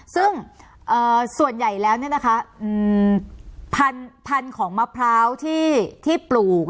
ซึ่งเอ่อส่วนใหญ่แล้วเนี้ยนะคะอืมพันธุ์พันธุ์ของมะพร้าวที่ที่ปลูก